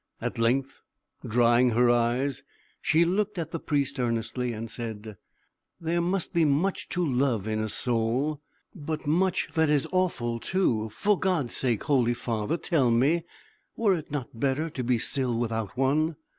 At length drying her eyes, she looked at the Priest earnestly and said, "There must be much to love in a soul, but much that is awful too. For God's sake, holy father, tell me were it not better to be still without one?"